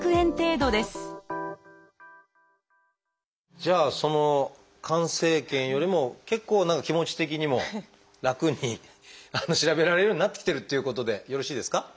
じゃあその肝生検よりも結構何か気持ち的にも楽に調べられるようになってきているっていうことでよろしいですか？